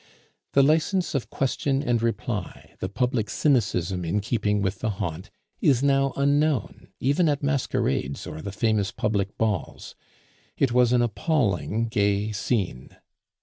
The license of question and reply, the public cynicism in keeping with the haunt, is now unknown even at masquerades or the famous public balls. It was an appalling, gay scene.